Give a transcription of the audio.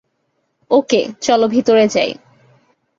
ওকে, চলো ভিতরে যাই।